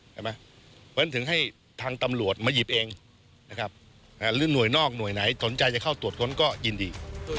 เพราะฉะนั้นถึงให้ทางตำรวจมาหยิบเองน้วยนอกน้วยไหนสนใจเข้าตรวจค้นก็ยินดี